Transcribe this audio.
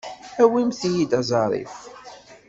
Awimt-iyi-d aẓarif.